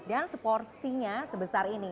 dan seporsinya sebesar ini